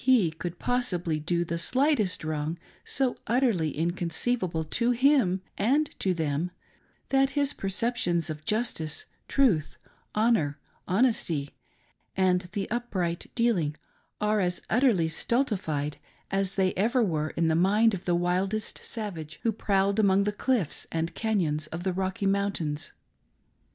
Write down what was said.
^x could possibly do the slightest wrong so utterly inconceivable to him and to them ; that his percep^ tions of justice, truth, honor, honesty, and upright dealing are as utterly stultified as they ever were in the mind of the wildest savage who prowled among the cliffs and canons of the Rocky Mountains.